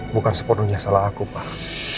bukan sepenuhnya salah aku pak